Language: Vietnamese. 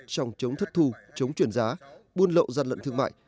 trong chống thất thù chống chuyển giá buôn lậu gian lận thương mại